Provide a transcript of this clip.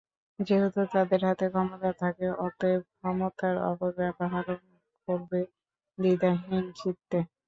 যেহেতু তাদের হাতে ক্ষমতা থাকে, অতএব ক্ষমতার অপব্যবহারও করবে দ্বিধাহীন চিত্তে।